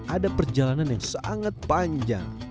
ada perjalanan yang sangat panjang